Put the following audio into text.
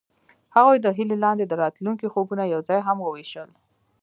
هغوی د هیلې لاندې د راتلونکي خوبونه یوځای هم وویشل.